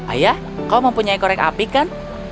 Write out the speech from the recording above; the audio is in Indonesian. ayah kau mempunyai korek api kan